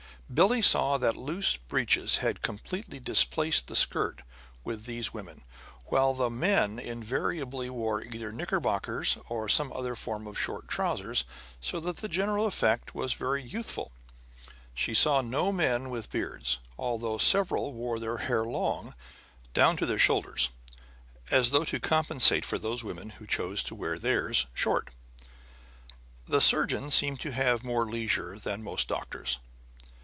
Billie saw that loose breeches had completely displaced the skirt with these women; while the men invariably wore either knickerbockers or some other form of short trousers; so that the general effect was very youthful. She saw no men with beards, although several wore their hair long, down to their shoulders, as though to compensate for those women who chose to wear theirs short. The surgeon seemed to have more leisure than most doctors.